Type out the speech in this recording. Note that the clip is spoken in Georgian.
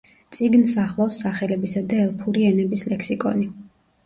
წიგნს ახლავს სახელებისა და ელფური ენების ლექსიკონი.